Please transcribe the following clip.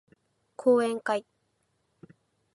講演会